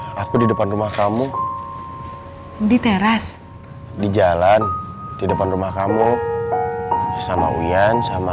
ya aku di depan rumah kamu di teras di jalan di depan rumah kamu sama uyan sama